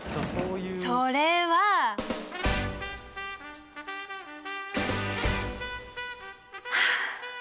それは！はあ。